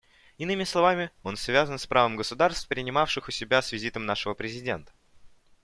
Иными словами, он связан с правом государств, принимавших у себя с визитом нашего президента.